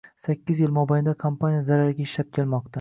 Sakkiz yil mobaynida kompaniya zararga ishlab kelmoqda.